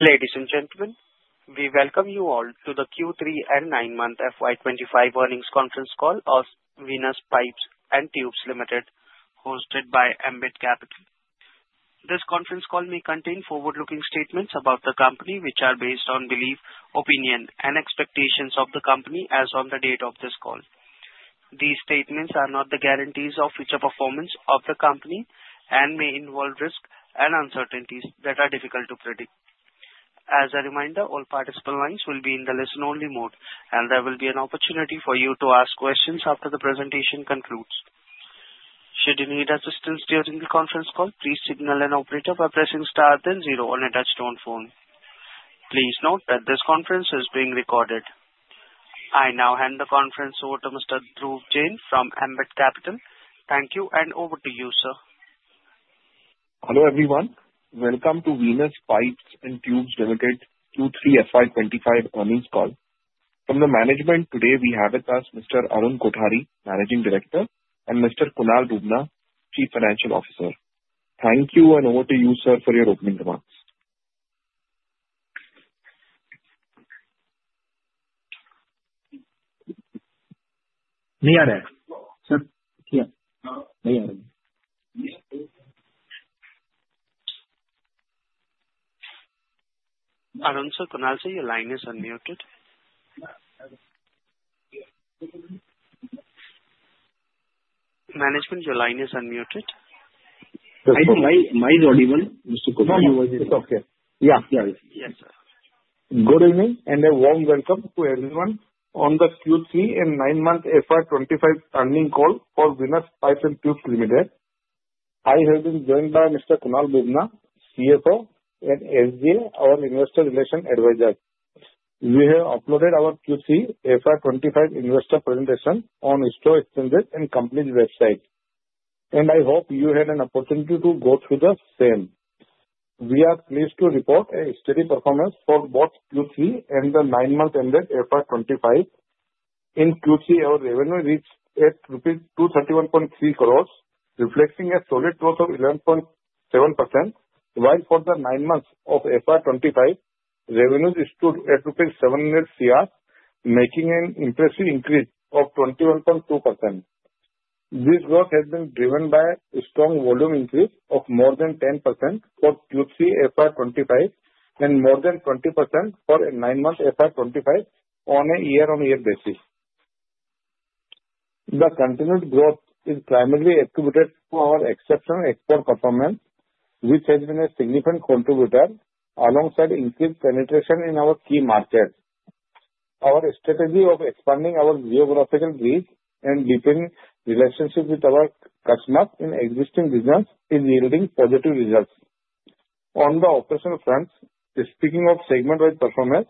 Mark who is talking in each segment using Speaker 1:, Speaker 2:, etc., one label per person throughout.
Speaker 1: Ladies and gentlemen, we welcome you all to the Q3 and nine-month FY 2025 earnings conference call of Venus Pipes and Tubes Limited, hosted by Ambit Capital. This conference call may contain forward-looking statements about the company, which are based on belief, opinion and expectations of the company as on the date of this call. These statements are not the guarantees of future performance of the company and may involve risks and uncertainties that are difficult to predict. As a reminder, all participant lines will be in the listen only mode, and there will be an opportunity for you to ask questions after the presentation concludes. Should you need assistance during the conference call, please signal an operator by pressing star then zero on a touch-tone phone. Please note that this conference is being recorded. I now hand the conference over to Mr. Dhruv Jain from Ambit Capital. Thank you, and over to you, sir.
Speaker 2: Hello, everyone. Welcome to Venus Pipes and Tubes Limited Q3 FY 2025 earnings call. From the management today we have with us Mr. Arun Kothari, Managing Director, and Mr. Kunal Bubna, Chief Financial Officer. Thank you, and over to you, sir, for your opening remarks.
Speaker 1: Sir. Arun sir, Kunal sir, your line is unmuted. Management, your line is unmuted.
Speaker 2: Mine is not even, Mr. Kothari.
Speaker 1: No, yours is. It's okay. Yeah.
Speaker 2: Good evening. A warm welcome to everyone on the Q3 and nine-month FY 2025 earning call for Venus Pipes and Tubes Limited. I have been joined by Mr. Kunal Bubna, CFO, and SJ, our Investor Relation Advisor. We have uploaded our Q3 FY 2025 investor presentation on stock exchanges and company website. I hope you had an opportunity to go through the same. We are pleased to report a steady performance for both Q3 and the nine month ended FY 2025. In Q3, our revenue reached at rupees 231.3 crore, reflecting a solid growth of 11.7%. While for the nine months of FY 2025, revenues stood at rupees 700 crore, making an impressive increase of 21.2%. This growth has been driven by a strong volume increase of more than 10% for Q3 FY 2025 and more than 20% for a nine-month FY 2025 on a year-on-year basis. The continued growth is primarily attributed to our exceptional export performance, which has been a significant contributor alongside increased penetration in our key markets. Our strategy of expanding our geographical reach and deepening relationships with our customers in existing regions is yielding positive results. On the operational front, speaking of segment-wide performance,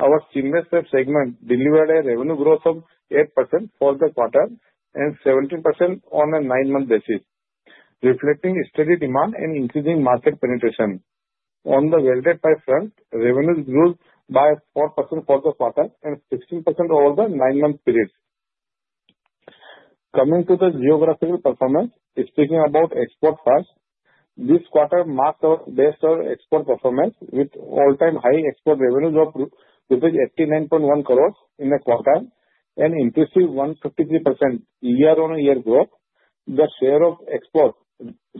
Speaker 2: our seamless steel segment delivered a revenue growth of 8% for the quarter and 17% on a nine-month basis, reflecting a steady demand and increasing market penetration. On the welded pipe front, revenues grew by 4% for the quarter and 16% over the nine-month period. Coming to the geographical performance, speaking about export first, this quarter marks our best ever export performance with all-time high export revenues of 89.1 crores in a quarter, an impressive 153% year-over-year growth. The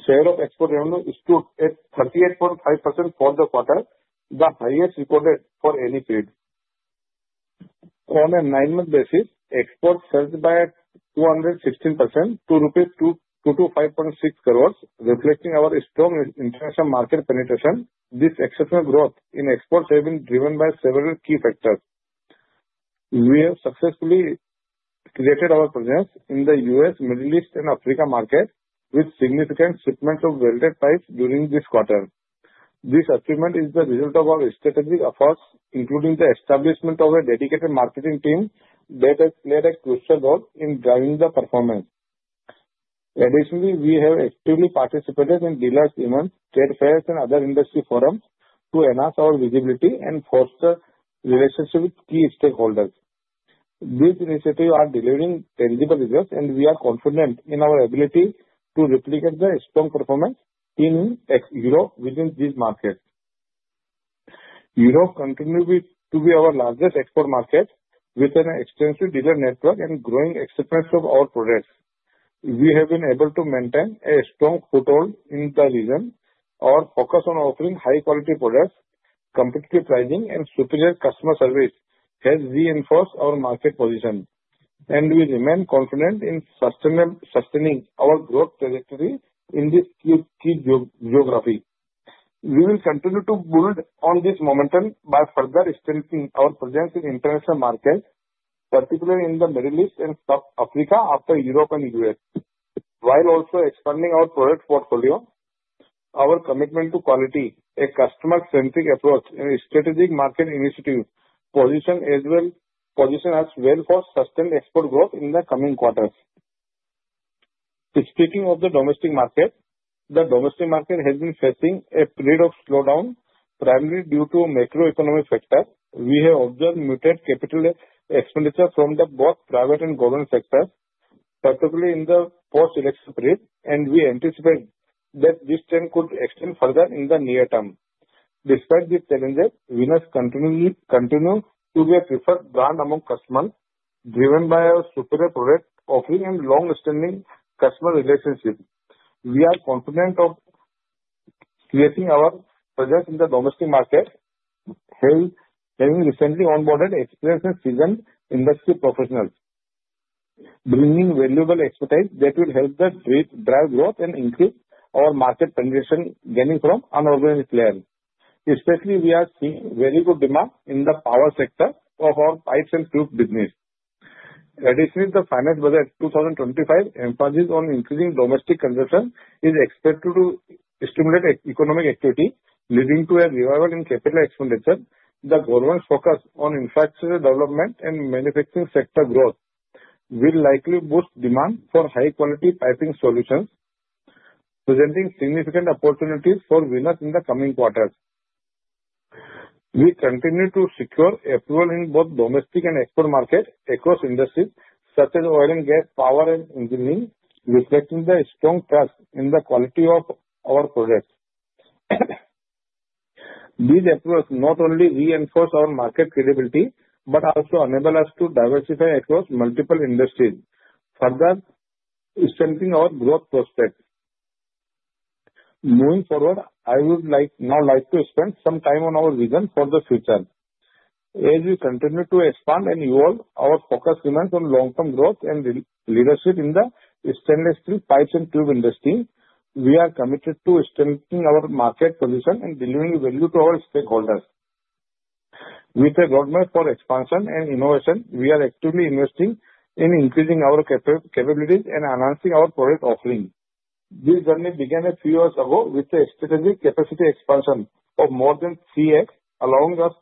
Speaker 2: share of export revenue stood at 38.5% for the quarter, the highest recorded for any period. On a nine-month basis, exports surged by 216% to rupees 225.6 crores, reflecting our strong international market penetration. This exceptional growth in exports have been driven by several key factors. We have successfully created our presence in the U.S., Middle East and Africa market with significant shipments of welded pipes during this quarter. This achievement is the result of our strategic efforts, including the establishment of a dedicated marketing team that has played a crucial role in driving the performance. Additionally, we have actively participated in dealers' events, trade fairs and other industry forums to enhance our visibility and foster relationships with key stakeholders. These initiatives are delivering tangible results, and we are confident in our ability to replicate the strong performance in Europe within these markets. Europe continue to be our largest export market with an extensive dealer network and growing acceptance of our products. We have been able to maintain a strong foothold in the region. Our focus on offering high-quality products, competitive pricing and superior customer service has reinforced our market position, and we remain confident in sustaining our growth trajectory in this key geography. We will continue to build on this momentum by further strengthening our presence in international markets, particularly in the Middle East and Africa after Europe and U.S., while also expanding our product portfolio. Our commitment to quality, a customer-centric approach and strategic market initiatives position us well for sustained export growth in the coming quarters. Speaking of the domestic market, the domestic market has been facing a period of slowdown, primarily due to macroeconomic factors. We have observed muted CapEx from the both private and government sectors Particularly in the post-election period, and we anticipate that this trend could extend further in the near term. Despite these challenges, Venus continues to be a preferred brand among customers, driven by our superior product offering and long-standing customer relationships. We are confident of creating our presence in the domestic market, having recently onboarded experienced and seasoned industry professionals, bringing valuable expertise that will help us drive growth and increase our market penetration, gaining from unorganized players. Especially, we are seeing very good demand in the power sector of our pipes and tubes business. Additionally, the Union Budget for 2025 emphasizes on increasing domestic consumption, is expected to stimulate economic activity, leading to a revival in CapEx. The government's focus on infrastructure development and manufacturing sector growth will likely boost demand for high-quality piping solutions, presenting significant opportunities for Venus in the coming quarters. We continue to secure approval in both domestic and export markets across industries such as oil and gas, power, and engineering, reflecting the strong trust in the quality of our products. These approvals not only reinforce our market credibility, but also enable us to diversify across multiple industries, further strengthening our growth prospects. Moving forward, I would now like to spend some time on our vision for the future. As we continue to expand and evolve, our focus remains on long-term growth and leadership in the stainless steel pipes and tube industry. We are committed to strengthening our market position and delivering value to our stakeholders. With a roadmap for expansion and innovation, we are actively investing in increasing our capabilities and enhancing our product offerings. This journey began a few years ago with a strategic capacity expansion of more than 3x, allowing us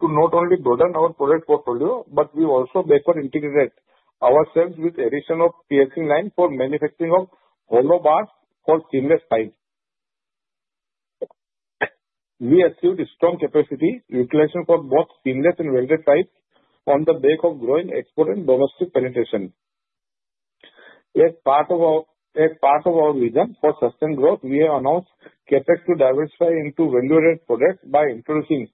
Speaker 2: to not only broaden our product portfolio, but we also better integrated ourselves with addition of piercing line for manufacturing of hollow bars for seamless pipes. We achieved a strong capacity utilization for both seamless and welded pipes on the back of growing export and domestic penetration. As part of our vision for sustained growth, we have announced CapEx to diversify into value-added products by introducing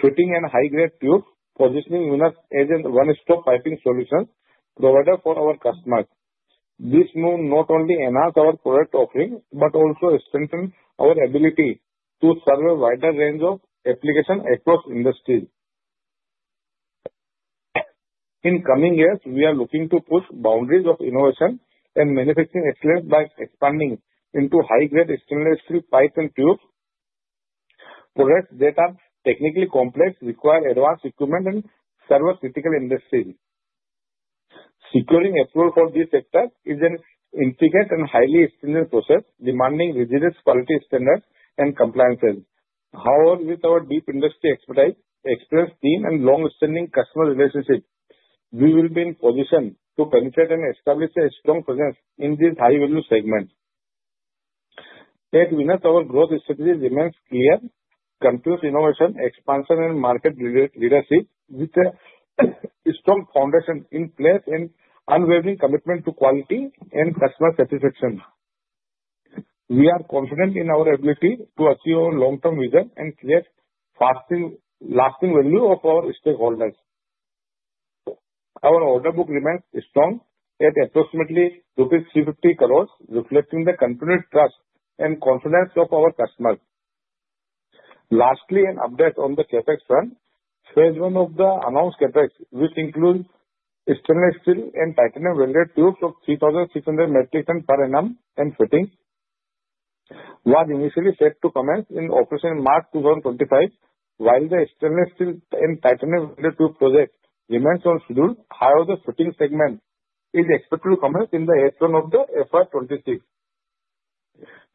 Speaker 2: fittings and high-grade tubes, positioning Venus as a one-stop piping solution provider for our customers. This move not only enhance our product offering, but also strengthen our ability to serve a wider range of application across industries. In coming years, we are looking to push boundaries of innovation and manufacturing excellence by expanding into high-grade stainless steel pipes and tubes, products that are technically complex, require advanced equipment and serve a critical industry. Securing approval for this sector is an intricate and highly extensive process, demanding rigorous quality standards and compliances. However, with our deep industry expertise, experienced team, and long-standing customer relationships, we will be in position to penetrate and establish a strong presence in this high-value segment. At Venus, our growth strategy remains clear: continuous innovation, expansion, and market leadership. With a strong foundation in place and unwavering commitment to quality and customer satisfaction, we are confident in our ability to achieve our long-term vision and create lasting value for our stakeholders. Our order book remains strong at approximately rupees 350 crores, reflecting the continued trust and confidence of our customers. Lastly, an update on the CapEx front. Phase 1 of the announced CapEx, which includes stainless steel and titanium welded tubes of 3,600 metric ton per annum and fittings, was initially set to commence in operation in March 2025. While the stainless steel and titanium welded tube projects remains on schedule, however, the fittings segment is expected to commence in the H1 of the FY 2026.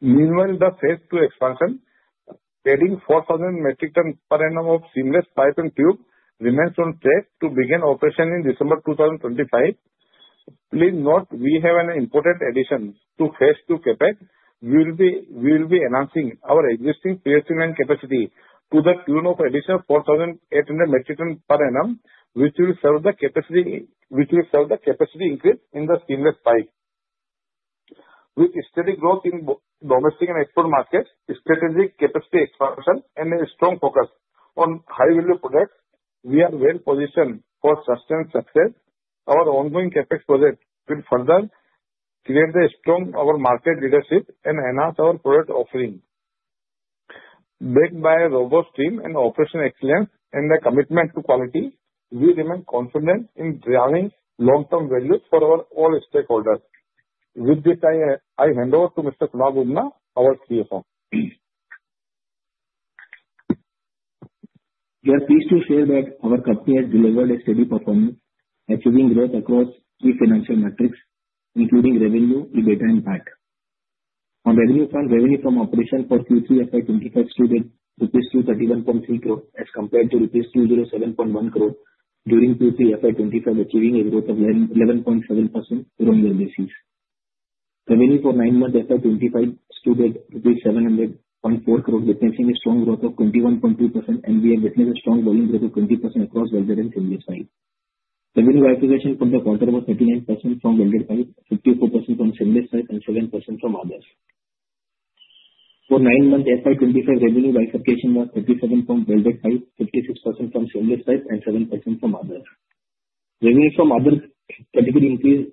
Speaker 2: Meanwhile, the phase 2 expansion, adding 4,000 metric ton per annum of seamless pipes and tubes, remains on track to begin operation in December 2025. Please note, we have an important addition to phase 2 CapEx. We will be enhancing our existing piercing line capacity to the tune of additional 4,800 metric ton per annum, which will serve the capacity increase in the seamless pipe. With steady growth in both domestic and export markets, strategic capacity expansion, and a strong focus on high-value products, we are well-positioned for sustained success. Our ongoing CapEx projects will further create a strong overall market leadership and enhance our product offering. Backed by a robust team and operational excellence and a commitment to quality, we remain confident in driving long-term value for our all stakeholders. With this, I hand over to Mr. Kunal Bubna, our CFO.
Speaker 3: We are pleased to share that our company has delivered a steady performance, achieving growth across key financial metrics, including revenue, EBITDA, and PAT. On revenue front, revenue from operation for Q3 FY 2025 stood at rupees 231.3 crore as compared to rupees 207.1 crore during Q3 FY 2025, achieving a growth of 11.7% year-on-year basis. Revenue for nine months as of FY 2025 stood at INR 700.4 crore, witnessing a strong growth of 21.2%, and we are witnessing a strong volume growth of 20% across welded and seamless pipes. Revenue diversification from the quarter was 39% from welded pipes, 54% from seamless pipes, and 7% from others. For nine months, FY 2025 revenue diversification was 37% from welded pipes, 56% from seamless pipes, and 7% from others. Revenue from others category increased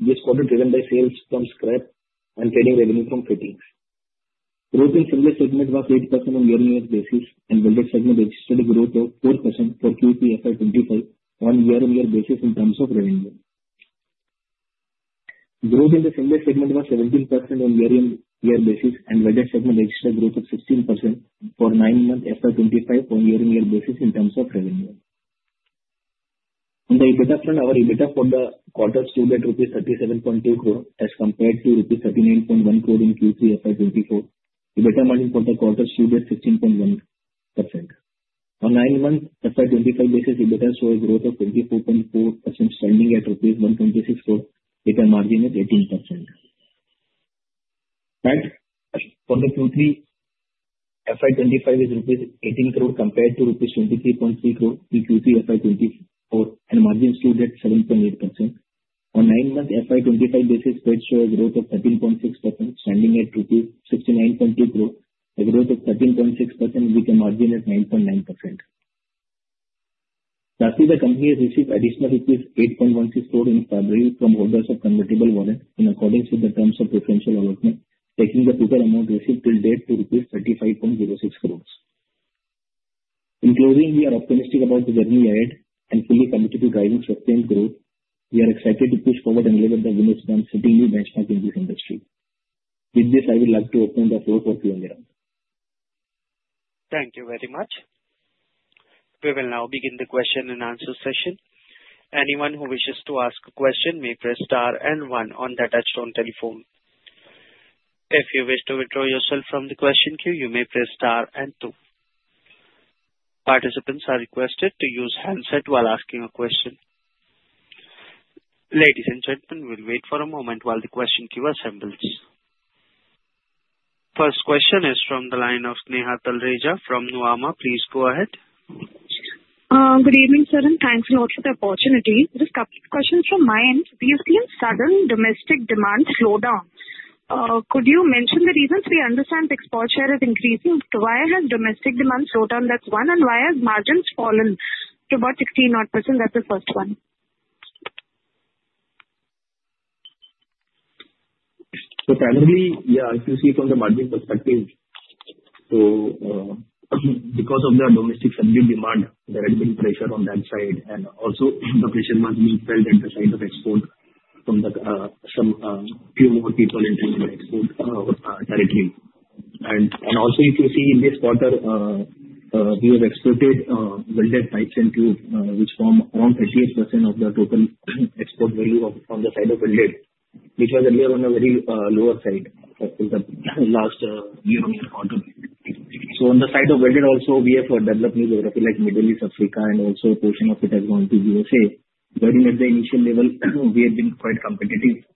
Speaker 3: this quarter driven by sales from scrap and trading revenue from fittings. Growth in seamless segment was 8% on year-on-year basis, and welded segment registered a growth of 4% for Q3 FY 2025 on year-on-year basis in terms of revenue. Growth in the seamless segment was 17% on year-on-year basis, and welded segment registered growth of 16% for nine months FY 2025 on year-on-year basis in terms of revenue. On the EBITDA front, our EBITDA for the quarter stood at rupees 37.2 crore as compared to rupees 39.1 crore in Q3 FY 2024. EBITDA margin for the quarter stood at 16.1%. On nine months FY 2025 basis, EBITDA saw a growth of 24.4%, standing at rupees 126 crore with a margin of 18%. That for the Q3 FY 2025 is rupees 18 crore compared to rupees 23.3 crore in Q3 FY 2024, and margin stood at 7.8%. On nine months FY 2025 basis, debt showed a growth of 13.6%, standing at rupees 69.2 crore, a growth of 13.6% with a margin of 9.9%. Lastly, the company has received additional rupees 8.16 crore in February from holders of convertible warrants in accordance with the terms of preferential allotment, taking the total amount received till date to rupees 35.06 crore. In closing, we are optimistic about the journey ahead and fully committed to driving sustained growth. We are excited to push forward and deliver the winners continuously benchmarking this industry. With this, I would like to open the floor for Q&A round.
Speaker 1: Thank you very much. We will now begin the question and answer session. Anyone who wishes to ask a question may press star and one on their touchtone telephone. If you wish to withdraw yourself from the question queue, you may press star and two. Participants are requested to use handset while asking a question. Ladies and gentlemen, we'll wait for a moment while the question queue assembles. First question is from the line of Sneha Talreja from Nuvama. Please go ahead.
Speaker 4: Good evening, sir, Thanks a lot for the opportunity. Just a couple of questions from my end. We have seen sudden domestic demand slowdown. Could you mention the reasons? We understand the export share is increasing. Why has domestic demand slowed down? That's one. Why has margins fallen to about 16-odd%? That's the first one.
Speaker 3: Currently, if you see from the margin perspective, Because of the domestic demand, there had been pressure on that side and also the pressure was being felt at the side of export from some few more people entering the export directly. Also, if you see in this quarter, we have exported welded pipes and tubes, which form around 38% of the total export value from the side of welded, which was earlier on a very lower side for the last year quarter. On the side of welded also, we have developed new geography like Middle East, Africa, and also a portion of it has gone to USA. Starting at the initial level, we have been quite competitive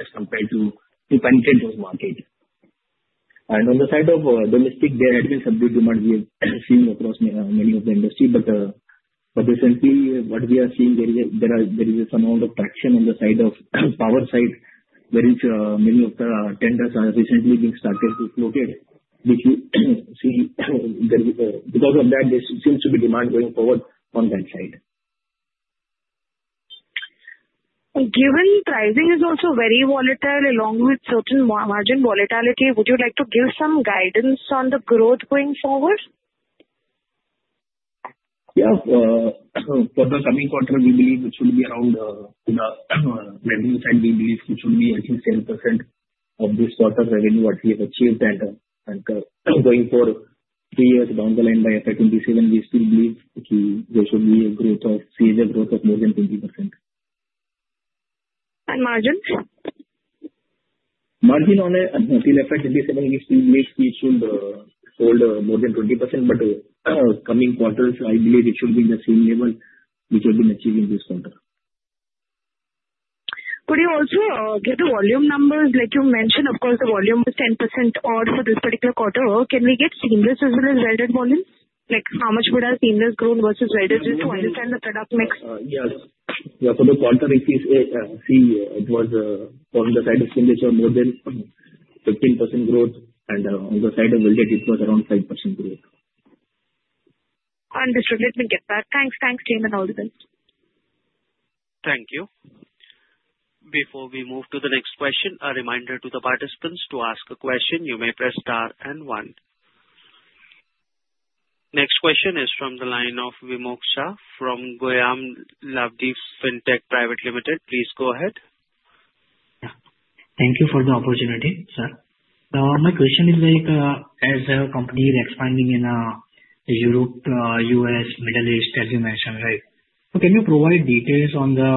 Speaker 3: as compared to penetrate those markets. On the side of domestic, there had been subdued demand we have seen across many of the industry. Recently, what we are seeing, there is some amount of traction on the side of power side, where many of the tenders are recently being started to float it, which we see because of that, there seems to be demand going forward on that side.
Speaker 4: Given pricing is also very volatile along with certain margin volatility, would you like to give some guidance on the growth going forward?
Speaker 3: Yeah. For the coming quarter, we believe it should be around, on the revenue side, we believe it should be at least 10% of this quarter's revenue what we have achieved. Going forward three years down the line by FY 2027, we still believe there should be a CAGR growth of more than 20%.
Speaker 4: Margins?
Speaker 3: Margin on a till FY 2027, we still believe we should hold more than 20%, but coming quarters, I believe it should be the same level which we've been achieving this quarter.
Speaker 4: Could you also give the volume numbers? Like you mentioned, of course, the volume was 10% for this particular quarter. Can we get seamless as well as welded volume? Like, how much would have seamless grown versus welded just to understand the product mix?
Speaker 3: Yes. For the quarter, it was from the side of seamless, more than 15% growth, and on the side of welded, it was around 5% growth.
Speaker 4: Understood. Let me get back. Thanks. Thanks, team, and all the best.
Speaker 1: Thank you. Before we move to the next question, a reminder to the participants to ask a question, you may press star and one. Next question is from the line of Vimoksha from Goyam Laveen Fintech Private Limited. Please go ahead.
Speaker 5: Thank you for the opportunity, sir. My question is, as a company expanding in Europe, U.S., Middle East, as you mentioned, right? Can you provide details on the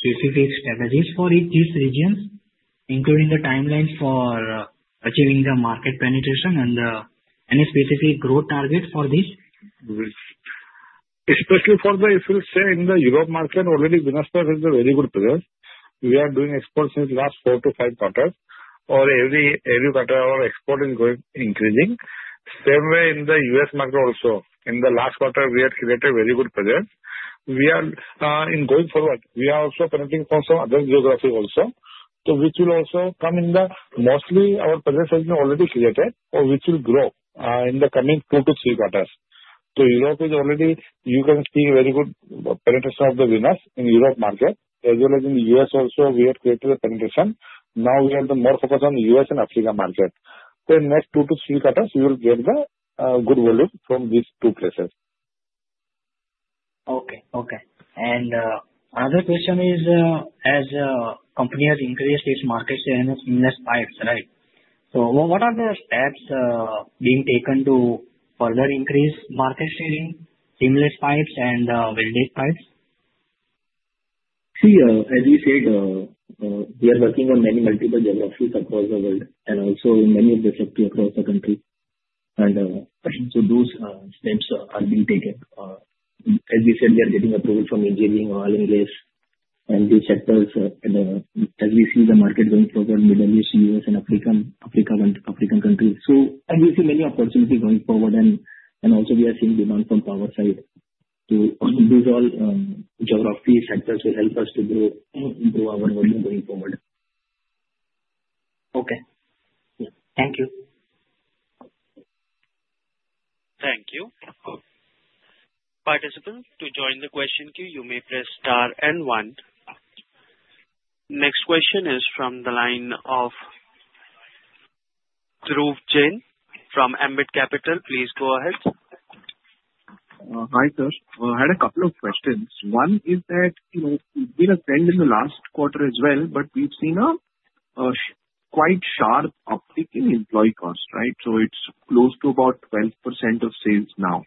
Speaker 5: specific strategies for each region, including the timelines for achieving the market penetration and its specific growth target for this?
Speaker 2: Especially for the issue, say in the Europe market already Venus Pipes has a very good presence. We are doing exports since last four to five quarters, or every quarter our export is increasing. Same way in the U.S. market also. In the last quarter, we have created very good presence. Going forward, we are also penetrating from some other geography also. Mostly our presence has been already created or which will grow in the coming two to three quarters. Europe is already, you can see very good penetration of the Venus in Europe market, as well as in U.S. also, we have created a penetration. Now we are more focused on U.S. and Africa market. In next two to three quarters, you will get the good volume from these two places.
Speaker 5: Okay. Other question is, as company has increased its market share in its seamless pipes, right? What are the steps being taken to further increase market share, seamless pipes and welded pipes?
Speaker 3: See, as we said, we are working on many multiple geographies across the world and also in many districts across the country. Those steps are being taken. As we said, we are getting approval from engineering, oil and gas, and these sectors, as we see the market going forward, Middle East, U.S., and African countries. As we see many opportunities going forward, and also we are seeing demand from power side. These all geography sectors will help us to grow our volume going forward.
Speaker 5: Okay.
Speaker 3: Yeah.
Speaker 5: Thank you.
Speaker 1: Thank you. Participant, to join the question queue, you may press star and one. Next question is from the line of Dhruv Jain from Ambit Capital. Please go ahead.
Speaker 6: Hi, sir. I had a couple of questions. One is that, it's been a trend in the last quarter as well, but we've seen a quite sharp uptick in employee cost, right? It's close to about 12% of sales now.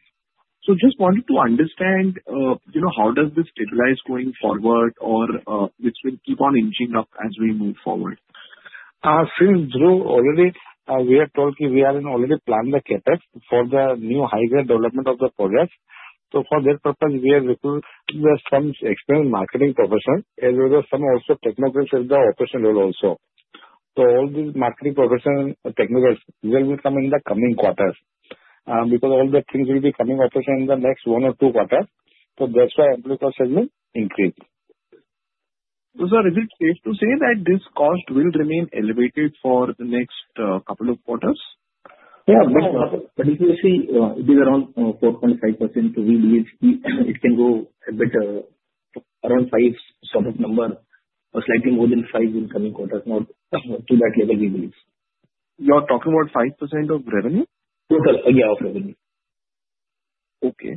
Speaker 6: Just wanted to understand how does this stabilize going forward or this will keep on inching up as we move forward.
Speaker 2: Since, Dhruv, already, we have told you, we are in already planned the CapEx for the new high-grade development of the project. For that purpose, we have recruited some external marketing professionals, as well as some also technocrats in the operation role also. All these marketing professionals and technocrats will be come in the coming quarters. Because all the things will be coming operation in the next one or two quarters. That's why employee cost has been increased.
Speaker 6: Sir, is it safe to say that this cost will remain elevated for the next couple of quarters?
Speaker 3: Yeah. If you see, it is around 4.5%. We believe it can go a bit around five sort of number or slightly more than five in coming quarters. To that level, we believe.
Speaker 6: You're talking about 5% of revenue?
Speaker 3: Total. Yeah, of revenue.
Speaker 6: Okay.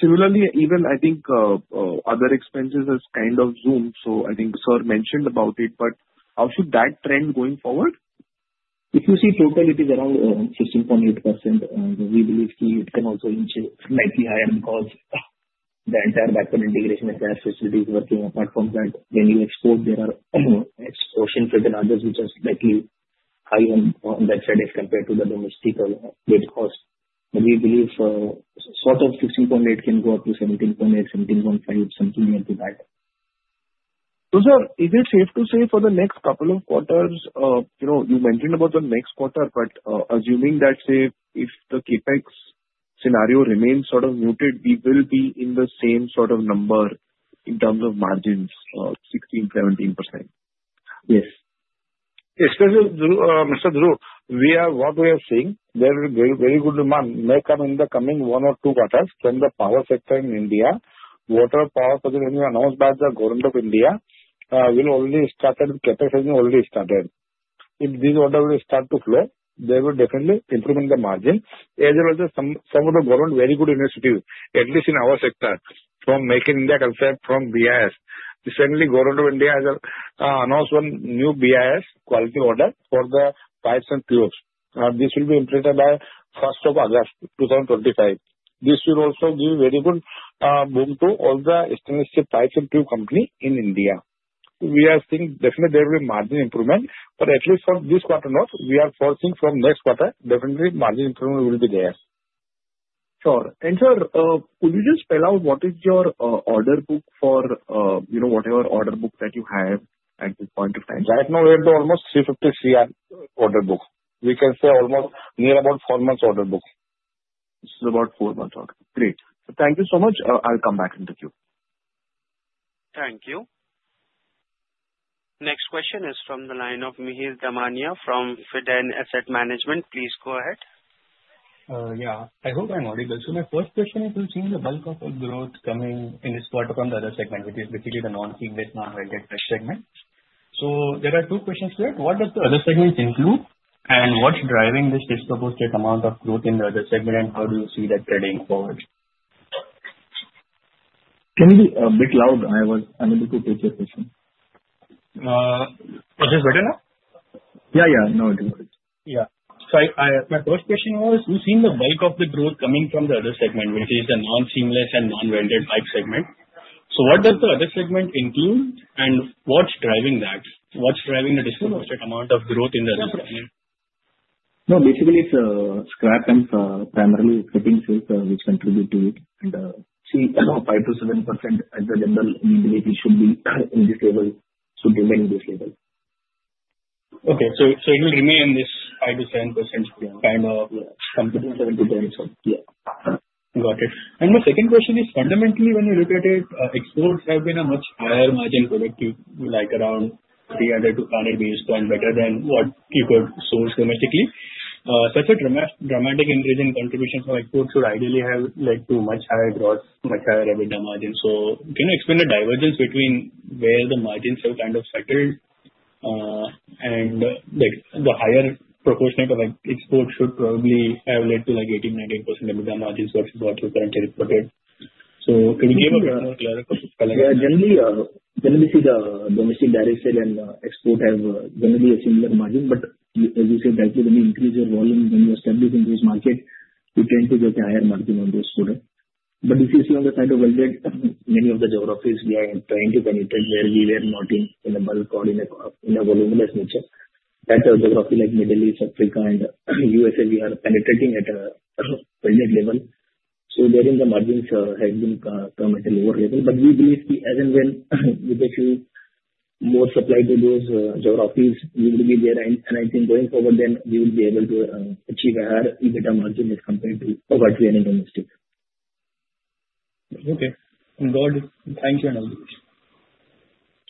Speaker 6: Similarly, even I think other expenses has kind of zoomed. I think sir mentioned about it, but how should that trend going forward?
Speaker 3: If you see total, it is around 16.8%. We believe it can also inch slightly higher because the entire backward integration and gas facility is working. Apart from that, when you export, there are ocean freight and others which are slightly high on that side as compared to the domestic laid cost. We believe sort of 16.8 can go up to 17.8, 17.5, something like that.
Speaker 6: Sir, is it safe to say for the next couple of quarters, you mentioned about the next quarter, but assuming that, say, if the CapEx scenario remains sort of muted, we will be in the same sort of number in terms of margins of 16%, 17%?
Speaker 3: Yes.
Speaker 2: Especially, Mr. Dhruv, what we are seeing, there is very good demand may come in the coming one or two quarters from the power sector in India. Water power project announced by the government of India. CapEx has already started. If these orders will start to flow, they will definitely improve the margin. As well as some of the government very good initiative, at least in our sector, from Make in India concept from BIS. Recently, government of India has announced one new BIS quality order for the pipes and tubes. This will be implemented by first of August 2025. This will also give very good boom to all the stainless steel pipe and tube company in India. We are seeing definitely there will be margin improvement. At least from this quarter, no, we are forecasting from next quarter, definitely margin improvement will be there.
Speaker 6: Sure. Sir, could you just spell out what is your order book for whatever order book that you have at this point of time?
Speaker 2: Right now, we have the almost 350 crore order book. We can say almost near about four months order book.
Speaker 6: This is about four months order. Great. Thank you so much. I'll come back in the queue.
Speaker 1: Thank you. Next question is from the line of Mihir Damania from Fident Asset Management. Please go ahead.
Speaker 7: Yeah. I hope I'm audible. My first question is, we've seen the bulk of the growth coming in this quarter from the other segment, which is basically the non-seamless, non-welded pipe segment. There are two questions there. What does the other segment include, and what's driving this disproportionate amount of growth in the other segment, and how do you see that trending forward?
Speaker 3: Can you be a bit loud? I'm unable to catch your question.
Speaker 7: Is this better now?
Speaker 3: Yeah. Now it is.
Speaker 7: Yeah. My first question was, we've seen the bulk of the growth coming from the other segment, which is the non-seamless and non-welded pipe segment. What does the other segment include, and what's driving that? What's driving the disproportionate amount of growth in the other segment?
Speaker 3: No, basically it's scrap and primarily fittings sales which contribute to it. See 5%-7% as a general entity should be in this level, given this level.
Speaker 7: Okay, it will remain this 5%-7%-
Speaker 3: Yeah.
Speaker 7: -kind of contribution to the bottom.
Speaker 3: Yeah.
Speaker 7: Got it. My second question is fundamentally when you look at it, exports have been a much higher margin product to you, like around 300 to 500 basis points better than what you could source domestically. Such a dramatic increase in contribution from exports should ideally have led to much higher gross, much higher EBITDA margin. Can you explain the divergence between where the margins have kind of settled, and the higher proportionate of exports should probably have led to 18%, 19% EBITDA margins versus what you currently reported. Can you give a bit more clarity?
Speaker 3: Generally we see the domestic direct sell and export have generally a similar margin, as you said, that will only increase your volume when you are establishing those markets, you tend to get higher margin on those products. This is on the side of welded. Many of the geographies we are trying to penetrate where we were not in a bulk or in a voluminous nature. That geography like Middle East, Africa and U.S.A., we are penetrating at a welded level. Therein the margins have been somewhat lower level. We believe see as in when we get to more supply to those geographies, we will be there. I think going forward, then we will be able to achieve a higher EBITDA margin as compared to what we are in domestic.
Speaker 7: Okay. Got it. Thank you, and have a good day.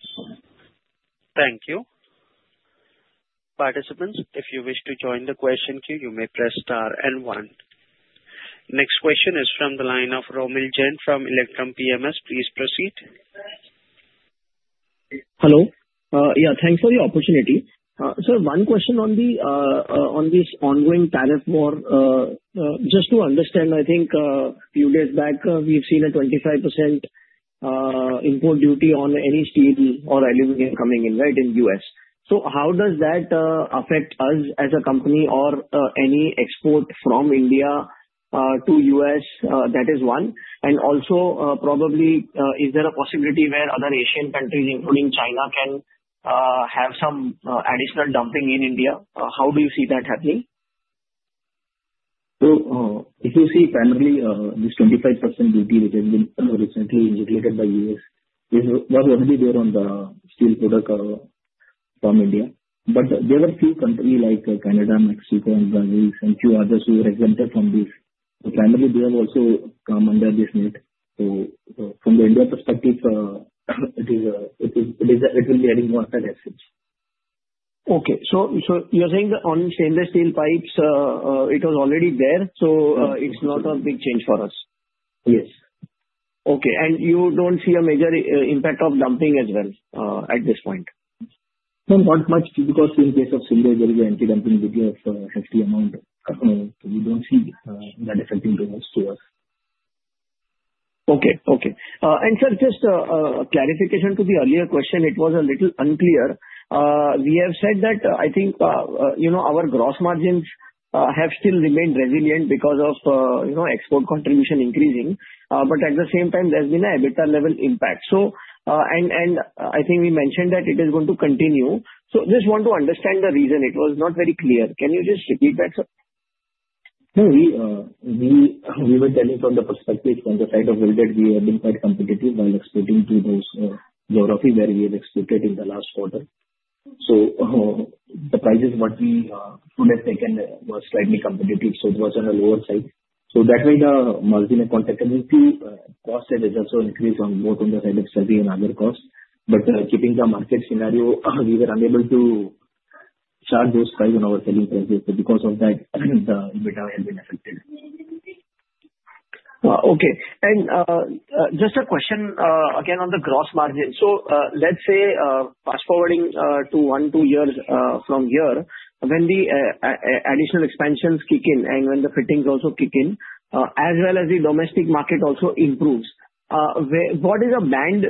Speaker 3: Sure.
Speaker 1: Thank you. Participants, if you wish to join the question queue, you may press star one. Next question is from the line of Romil Jain from Electrum PMS. Please proceed.
Speaker 8: Hello. Thanks for the opportunity. Sir, one question on this ongoing tariff war. Just to understand, I think a few days back, we've seen a 25% import duty on any steel or aluminum coming in U.S. How does that affect us as a company or any export from India to U.S.? That is one. Also probably, is there a possibility where other Asian countries, including China, can have some additional dumping in India? How do you see that happening?
Speaker 3: If you see primarily, this 25% duty which has been recently regulated by U.S., it was already there on the steel product from India. There were few companies like Canada, Mexico, and Brazil and few others who were exempted from this. Primarily they have also come under this net. From the India perspective, it will be adding more than exports.
Speaker 8: Okay. You're saying that on stainless steel pipes, it was already there, so it's not a big change for us?
Speaker 3: Yes.
Speaker 8: Okay. You don't see a major impact of dumping as well at this point?
Speaker 3: No, not much because in case of stainless there is an anti-dumping duty of 60 amount. We don't see that affecting those two.
Speaker 8: Okay. Sir, just a clarification to the earlier question, it was a little unclear. We have said that I think our gross margins have still remained resilient because of export contribution increasing. At the same time, there's been a EBITDA level impact. I think we mentioned that it is going to continue. Just want to understand the reason. It was not very clear. Can you just repeat that, sir?
Speaker 3: No, we were telling from the perspective from the side of welded, we have been quite competitive while exporting to those geographies where we have exported in the last quarter. The prices what we could have taken was slightly competitive, it was on a lower side. That made a marginal contribution. Cost side has also increased on both on the side of shipping and other costs. Keeping the market scenario, we were unable to charge those price on our selling prices. Because of that, the EBITDA has been affected.
Speaker 8: Okay. Just a question again on the gross margin. Let's say, fast-forwarding to one, two years from here, when the additional expansions kick in and when the fittings also kick in, as well as the domestic market also improves, what is a band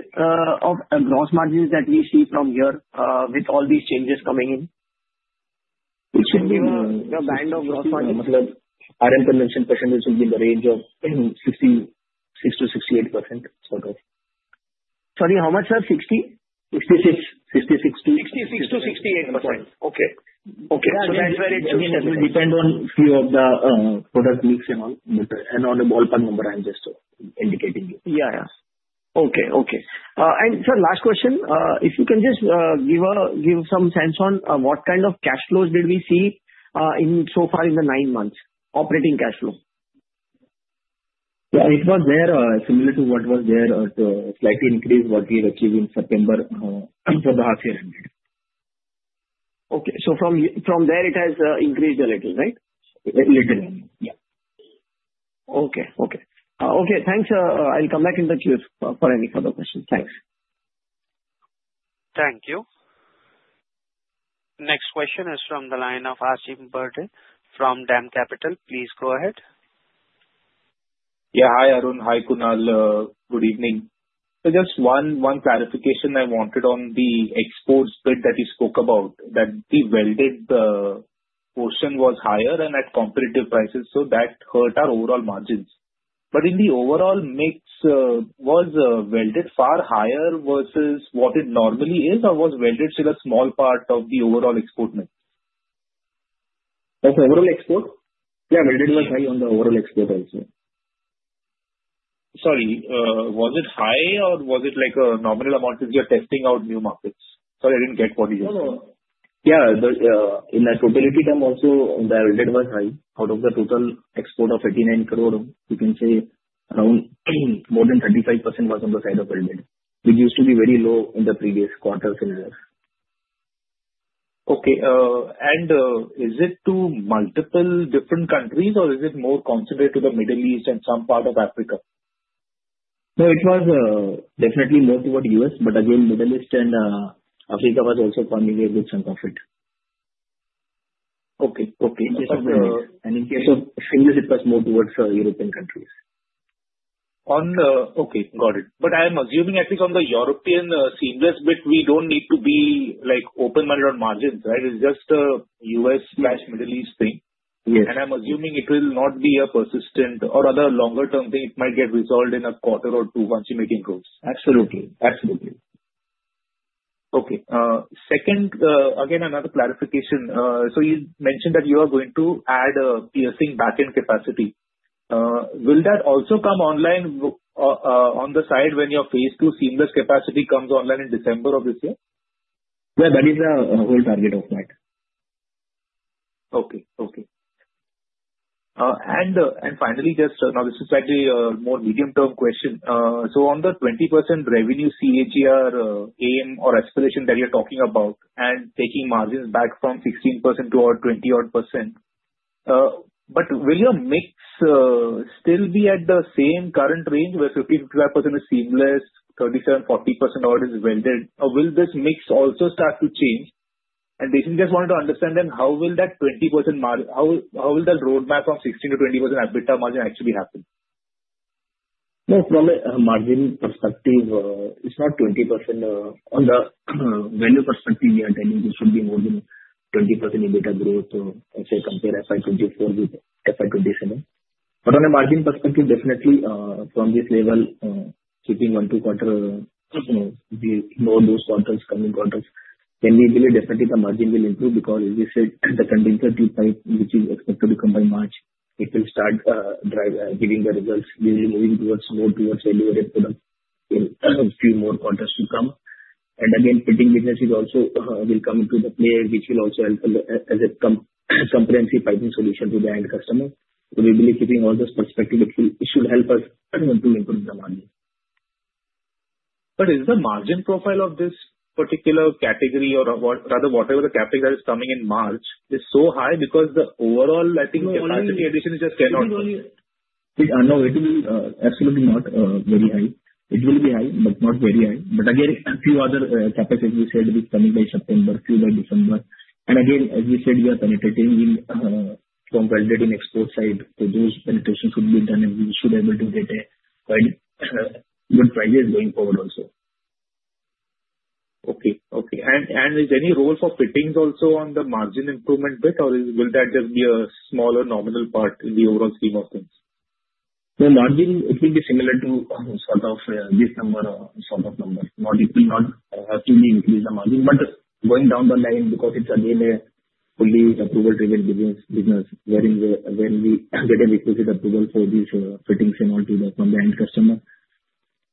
Speaker 8: of gross margins that we see from here with all these changes coming in?
Speaker 3: It should be.
Speaker 8: What should be the band of gross margin?
Speaker 3: Our conventional percentage will be in the range of 66%-68% sort of.
Speaker 8: Sorry, how much, sir? 60?
Speaker 3: 66. 66.
Speaker 8: 66%-68%. Okay.
Speaker 3: Yeah.
Speaker 8: That's where it should settle.
Speaker 3: It will depend on few of the product mix and all. On a ballpark number, I'm just indicating you.
Speaker 8: Yeah. Okay. Sir, last question. If you can just give some sense on what kind of cash flows did we see so far in the nine months, operating cash flow?
Speaker 3: Yeah, it was there, similar to what was there or slightly increased what we've achieved in September of the half year ended.
Speaker 8: Okay. From there it has increased a little, right?
Speaker 3: A little. Yeah.
Speaker 8: Okay. Okay, thanks. I'll come back and touch base for any further questions. Thanks.
Speaker 1: Thank you. Next question is from the line of Ashim Burtay from DAM Capital. Please go ahead.
Speaker 9: Hi Arun, hi Kunal. Good evening. Just one clarification I wanted on the exports bit that you spoke about, that the welded portion was higher and at competitive prices, that hurt our overall margins. In the overall mix, was welded far higher versus what it normally is, or was welded still a small part of the overall export mix?
Speaker 3: Of overall export? Welded was high on the overall export also.
Speaker 9: Was it high or was it like a nominal amount since you are testing out new markets? I didn't get what you just said.
Speaker 3: In the totality term also, the welded was high. Out of the total export of 39 crore, you can say around more than 35% was on the side of welded, which used to be very low in the previous quarters and years.
Speaker 9: Is it to multiple different countries, or is it more concentrated to the Middle East and some part of Africa?
Speaker 3: It was definitely more toward U.S., but Middle East and Africa was also forming a good chunk of it.
Speaker 9: Okay.
Speaker 3: In case of seamless, it was more towards European countries.
Speaker 9: Okay, got it. I am assuming, at least on the European seamless bit, we don't need to be open minded on margins, right? It's just a U.S./Middle East thing.
Speaker 3: Yes.
Speaker 9: I'm assuming it will not be a persistent or other longer-term thing. It might get resolved in a quarter or two once you're making crores.
Speaker 3: Absolutely.
Speaker 9: Okay. Second, again, another clarification. You mentioned that you are going to add a piercing backend capacity. Will that also come online on the side when your phase two seamless capacity comes online in December of this year?
Speaker 3: Yeah, that is the whole target of that.
Speaker 9: Okay. Finally, now this is slightly a more medium-term question. On the 20% revenue CAGR aim or aspiration that you are talking about and taking margins back from 16% to 20% odd. Will your mix still be at the same current range where 55% is seamless, 37%-40% odd is welded, or will this mix also start to change? Basically, just wanted to understand how will that roadmap from 16% to 20% EBITDA margin actually happen?
Speaker 3: No, from a margin perspective, it is not 20%. On the value perspective, we are telling this should be more than 20% EBITDA growth, say compare FY 2024 with FY 2027. On a margin perspective, definitely from this level, keeping one, two quarters, the low base quarters, coming quarters. We believe definitely the margin will improve because as we said, the condenser tube pipe, which is expected to come by March, it will start giving the results. We will be moving more towards value-added products few more quarters to come. Again, fittings business will come into the play, which will also help as a comprehensive piping solution to the end customer. We believe keeping all this perspective, it should help us improve the margin.
Speaker 9: Is the margin profile of this particular category, or rather, whatever the category that is coming in March is so high because the overall, I think, capacity addition is just
Speaker 3: No, it will absolutely not very high. It will be high, but not very high. Few other capacities we said will be coming by September, few by December. As we said, we are penetrating in from welded and export side. Those penetrations should be done, and we should able to get good prices going forward also.
Speaker 9: Okay. Is there any role for fittings also on the margin improvement bit, or will that just be a smaller nominal part in the overall scheme of things?
Speaker 3: The margin, it will be similar to sort of December sort of numbers. It will not hugely increase the margin, going down the line because it's again a fully approval-driven business wherein when we get an requisite approval for these fittings from the end customer.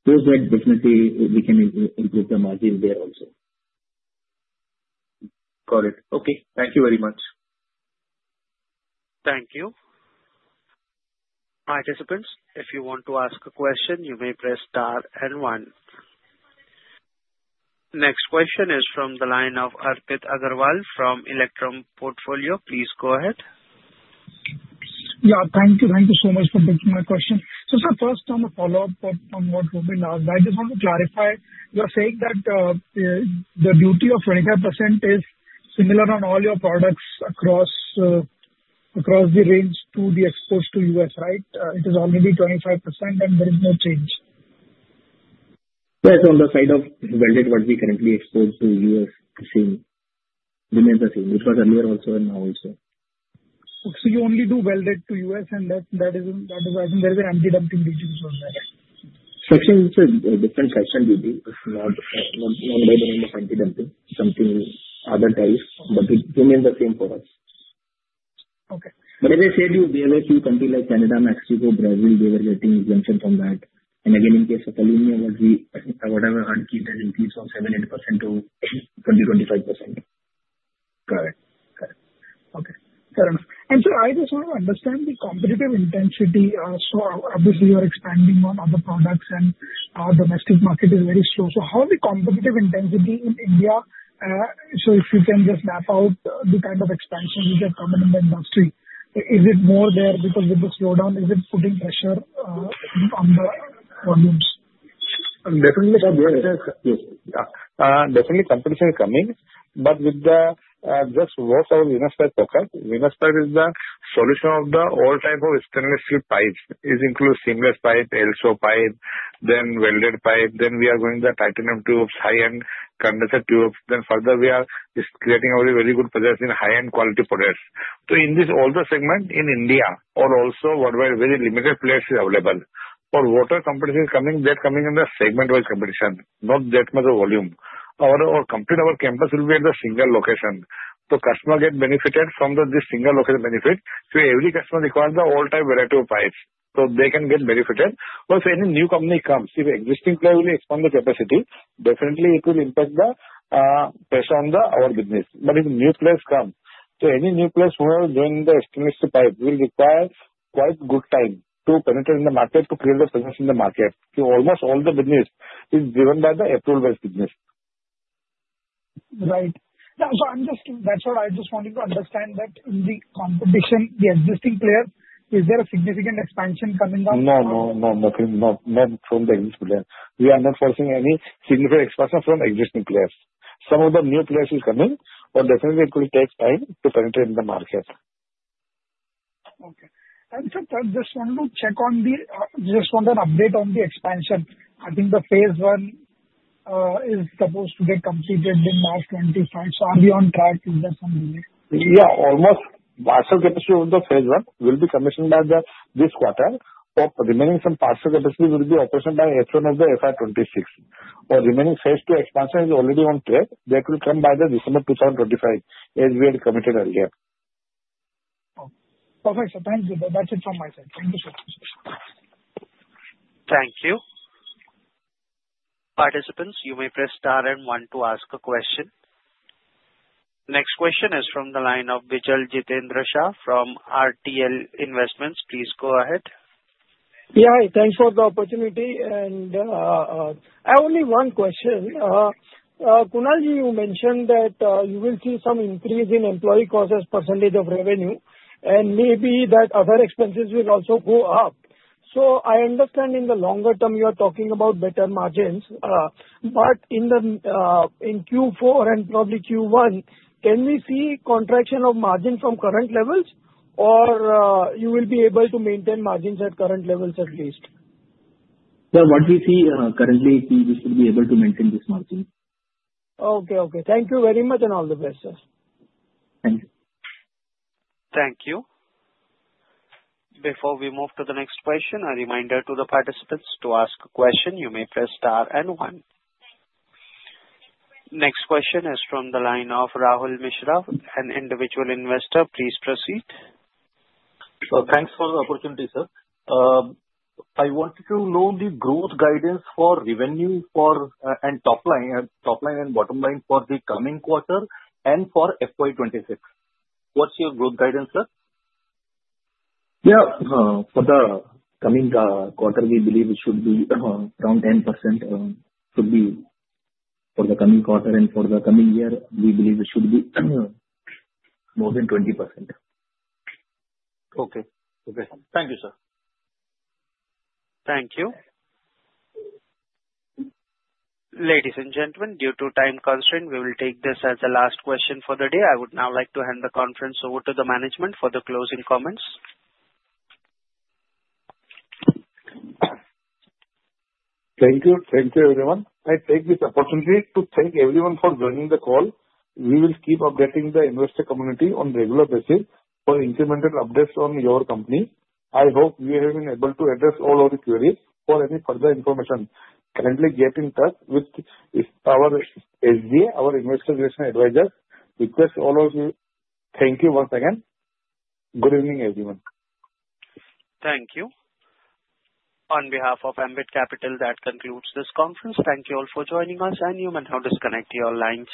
Speaker 3: Those business we can improve the margin there also.
Speaker 9: Got it. Okay. Thank you very much.
Speaker 1: Thank you. Participants, if you want to ask a question, you may press star and one. Next question is from the line of Arpit Agrawal from Electrum Portfolio. Please go ahead.
Speaker 10: Yeah. Thank you. Thank you so much for taking my question. Sir, first on a follow-up from what Gopinath asked. I just want to clarify, you are saying that the duty of 25% is similar on all your products across the range to the exports to U.S., right? It is only be 25% and there is no change.
Speaker 3: Yes, on the side of welded what we currently export to U.S. remain the same. It was earlier also and now also.
Speaker 10: You only do welded to U.S. and that is why there is an anti-dumping duty on that.
Speaker 3: Section. It's a different section duty. It's not by the name of anti-dumping, something other types, but it remains the same for us.
Speaker 10: Okay.
Speaker 3: As I said, there are few countries like Canada, Mexico, Brazil, they were getting exemption from that. Again, in case of aluminum, whatever had keep that increase from 7%-8% to 20%-25%.
Speaker 10: Correct. Okay. Fair enough. Sir, I just want to understand the competitive intensity. Obviously, you are expanding on other products and our domestic market is very slow. How is the competitive intensity in India? If you can just map out the kind of expansion which are coming in the industry. Is it more there because with the slowdown, is it putting pressure on the volumes?
Speaker 2: Definitely, competition is coming, but with the Venus Pipes circuit. Venus Pipes is the solution of the all type of stainless steel pipes. It includes seamless pipe, ERW pipe, welded pipe, we are doing the titanium tubes, high-end condenser tubes, further we are creating a very good presence in high-end quality products. In this, all the segment in India or also worldwide, very limited players is available. For water competition coming, that coming in the segment-wide competition, not that much volume. Our complete campus will be in the single location. Customer get benefited from this single location benefit. Every customer requires all type variety of pipes, so they can get benefited. Once any new company comes, if existing player will expand the capacity, definitely it will impact the pressure on our business. If new players come, any new players who are doing the stainless steel pipe will require quite good time to penetrate in the market, to create the presence in the market. Almost all the business is given by the approved business.
Speaker 10: Right. That's what I just wanted to understand, that in the competition, the existing player, is there a significant expansion coming up?
Speaker 2: No, nothing from the existing player. We are not facing any significant expansion from existing players. Some of the new players is coming, definitely it will take time to penetrate in the market.
Speaker 10: Okay. Sir, I just wanted an update on the expansion. I think the phase 1 is supposed to get completed in March 2025. Are we on track? Is there some delay?
Speaker 2: Yeah, almost partial capacity of the phase 1 will be commissioned by this quarter, remaining some partial capacity will be operational by as soon as the FY 2026. Remaining phase 2 expansion is already on track. That will come by the December 2025, as we had committed earlier.
Speaker 10: Okay. Perfect, sir. Thank you. That's it from my side. Thank you, sir.
Speaker 1: Thank you. Participants, you may press star one to ask a question. Next question is from the line of Bijal Jitendra Shah from RTL Investments. Please go ahead.
Speaker 11: Yeah. Thanks for the opportunity. I have only one question. Kunal, you mentioned that you will see some increase in employee costs as percentage of revenue, and maybe that other expenses will also go up. I understand in the longer term you are talking about better margins. In Q4 and probably Q1, can we see contraction of margin from current levels? You will be able to maintain margins at current levels at least?
Speaker 3: Sir, what we see currently, we should be able to maintain this margin.
Speaker 11: Okay. Thank you very much and all the best, sir.
Speaker 3: Thank you.
Speaker 1: Thank you. Before we move to the next question, a reminder to the participants, to ask a question, you may press star and one. Next question is from the line of Rahul Mishra, an individual investor. Please proceed.
Speaker 12: Thanks for the opportunity, sir. I wanted to know the growth guidance for revenue and top line and bottom line for the coming quarter and for FY 2026. What's your growth guidance, sir?
Speaker 3: Yeah. For the coming quarter, we believe it should be around 10% for the coming quarter, and for the coming year, we believe it should be more than 20%.
Speaker 12: Okay. Thank you, sir.
Speaker 1: Thank you. Ladies and gentlemen, due to time constraint, we will take this as the last question for the day. I would now like to hand the conference over to the management for the closing comments.
Speaker 2: Thank you everyone. I take this opportunity to thank everyone for joining the call. We will keep updating the investor community on regular basis for incremental updates on your company. I hope we have been able to address all of the queries. For any further information, kindly get in touch with our SGA, our investor relation advisor. Request all of you, thank you once again. Good evening, everyone.
Speaker 1: Thank you. On behalf of Ambit Capital, that concludes this conference. Thank you all for joining us and you may now disconnect your lines.